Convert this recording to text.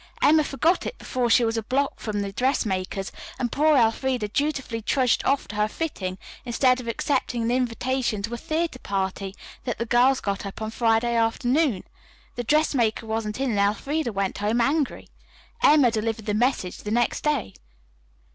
Emma forgot it before she was a block from the dressmaker's, and poor Elfreda dutifully trudged off to her fitting instead of accepting an invitation to a theatre party that the girls got up on Friday afternoon. The dressmaker wasn't in and Elfreda went home angry. Emma delivered the message the next day."